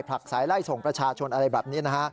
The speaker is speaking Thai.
ผลักสายไล่ส่งประชาชนอะไรแบบนี้นะฮะ